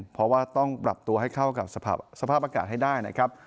เพราะว่าต้องปรับตัวให้เข้ากับสภาพอากาศให้ได้นะครับ